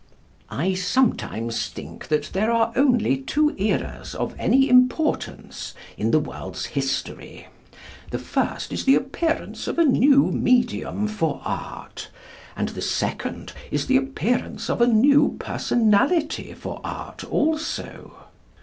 "I sometimes think that there are only two eras of any importance in the world's history. The first is the appearance of a new medium for art, and the second is the appearance of a new personality for art also.